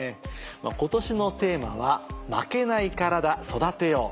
今年のテーマは「負けないカラダ、育てよう」。